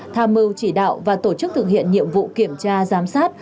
tham mưu chỉ đạo và tổ chức thực hiện nhiệm vụ kiểm tra